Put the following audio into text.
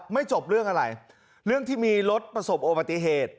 จบเรื่องอะไรเรื่องที่มีรถประสบโอติเหตุ